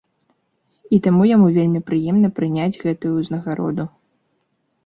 І таму яму вельмі прыемна прыняць гэтую ўзнагароду.